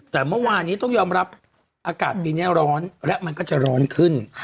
แต่เมื่อวานี้ต้องยอมรับอากาศปีนี้ร้อนและมันก็จะร้อนขึ้น